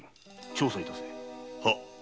調査致せ。